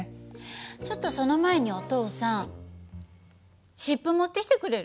ちょっとその前にお父さん湿布持ってきてくれる？